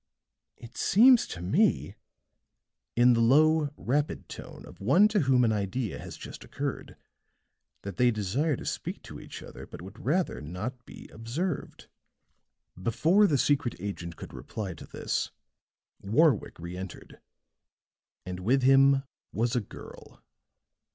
It seems to me," in the low, rapid tone of one to whom an idea had just occurred, "that they desire to speak to each other, but would rather not be observed." Before the secret agent could reply to this, Warwick reëntered, and with him was a girl.